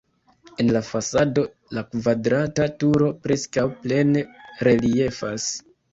En la fasado la kvadrata turo preskaŭ plene reliefas.